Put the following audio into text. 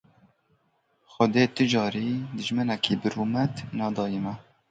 Xwedê tu carî dijminekî bi rûmet nedaye me